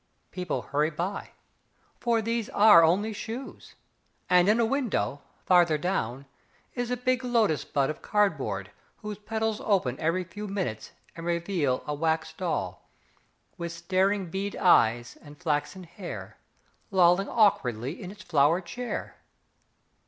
People hurry by, for these are only shoes, and in a window, farther down, is a big lotus bud of cardboard whose petals open every few minutes and reveal a wax doll, with staring bead eyes and flaxen hair, lolling awkwardly in its flower chair.